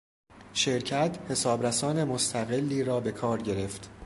شرکت، حسابرسان مستقلی را به کار گرفت.